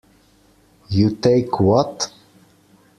You take what?